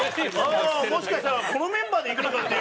もしかしたらこのメンバーでいくのかっていう。